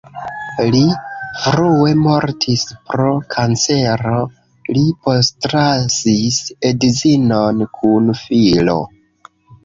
Li frue mortis pro kancero, li postlasis edzinon kun filo.